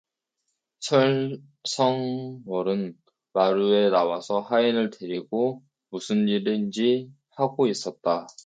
설 성 월은 마루에 나와서 하인을 데리고 무슨 일인지 하고 있었다.